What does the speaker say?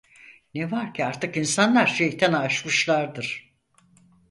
Ne var ki artık insanlar şeytanı aşmışlardır.